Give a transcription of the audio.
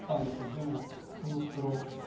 でもこの袋。